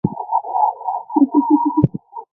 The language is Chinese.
是该国九个总教区之一。